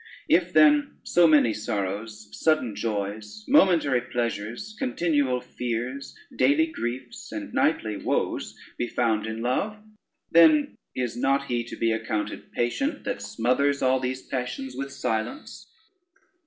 If then so many sorrows, sudden joys, momentary pleasures, continual fears, daily griefs, and nightly woes be found in love, then is not he to be accounted patient that smothers all these passions with silence?"